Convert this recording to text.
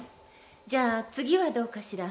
じゃあ次はどうかしら。